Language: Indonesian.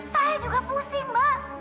saya juga pusing mbak